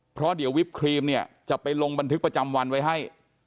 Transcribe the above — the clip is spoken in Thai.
เพราะเดี๋ยววิปครีมเนี่ยจะไปลงบันทึกประจำวันไว้ให้